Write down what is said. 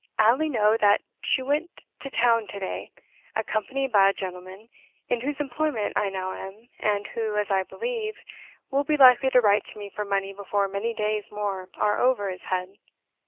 I only know that she went to town to day, accompanied by a gentleman, in whose employment I now am, and who (as I believe) will be likely to write to me for money before many days more are over his head.